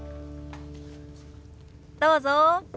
どうぞ。